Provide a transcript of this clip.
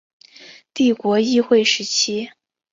帝国议会时期。